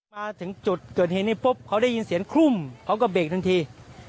มาถึงจุดเกิดเหตุนี้ปุ๊บเขาได้ยินเสียงคลุ้มเขาก็เบรกทันที